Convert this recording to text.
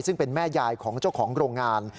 ซึ่งเป็นแม่ยายของเจ้าของโรงงาน